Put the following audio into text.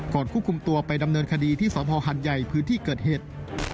ก่อนคู่คุมตัวไปดำเนินคดีที่สวทธิ์ภาวฮัณฑ์ใหญ่พื้นที่เกิดเหตุ